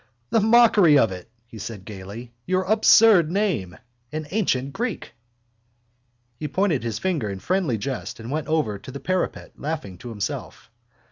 —The mockery of it! he said gaily. Your absurd name, an ancient Greek! He pointed his finger in friendly jest and went over to the parapet, laughing to himself.